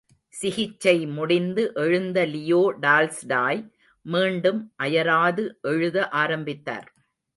சிகிச்சை முடிந்து எழுந்த லியோ டால்ஸ்டாய் மீண்டும் அயராது எழுத ஆரம்பித்தார்.